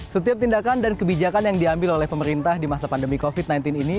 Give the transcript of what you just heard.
setiap tindakan dan kebijakan yang diambil oleh pemerintah di masa pandemi covid sembilan belas ini